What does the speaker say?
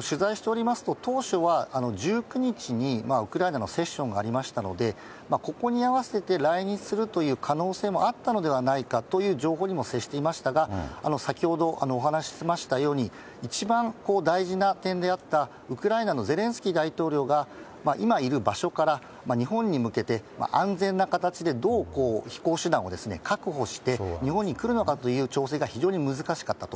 取材しておりますと、当初は、１９日にウクライナのセッションがありましたので、ここに合わせて来日するという可能性もあったのではないかという情報にも接していましたが、先ほどお話しましたように、一番大事な点であった、ウクライナのゼレンスキー大統領が、今いる場所から日本に向けて安全な形でどう飛行手段を確保して、日本に来るのかという調整が非常に難しかったと。